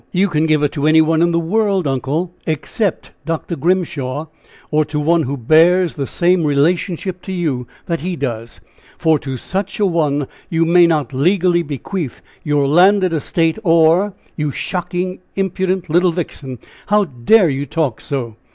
"You can give it to any one in the world, uncle, except Dr. Grimshaw, or to one who bears the same relationship to you that he does; for to such a one you may not legally bequeath your landed estate, or " "You shocking, impudent little vixen! How dare you talk so?"